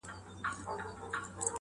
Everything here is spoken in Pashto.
• د یاجوجو د ماجوجو دېوالونه به نړېږي -